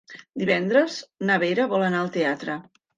Divendres na Vera vol anar al teatre.